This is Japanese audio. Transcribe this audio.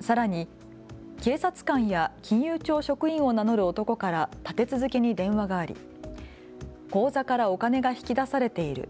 さらに警察官や金融庁職員を名乗る男から立て続けに電話があり口座からお金が引き出されている。